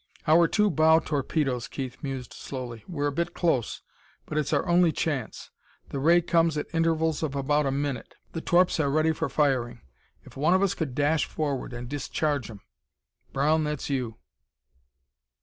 "Our two bow torpedoes," Keith mused slowly. "We're a bit close, but it's our only chance. The ray comes at intervals of about a minute; the torps are ready for firing. If one of us could dash forward and discharge 'em.... Brown, that's you!"